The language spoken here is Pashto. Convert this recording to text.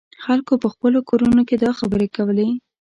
خلکو په خپلو کورونو کې دا خبرې کولې.